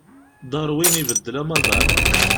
Darwin ibeddel amaḍal.